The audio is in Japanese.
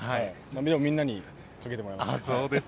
でも、みんなにかけてもらいました。